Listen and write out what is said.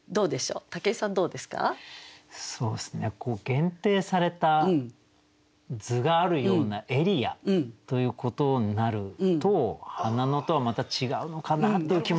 限定された図があるようなエリアということになると「花野」とはまた違うのかなという気もしますよね。